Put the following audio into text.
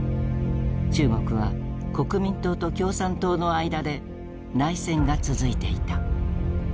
中国は国民党と共産党の間で内戦が続いていた。